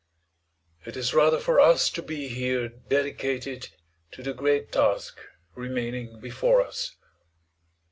It is rather for us to be here dedicated to the great task remaining before us.